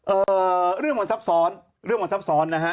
เอ่อเรื่องมันซับซ้อนเรื่องมันซับซ้อนนะฮะ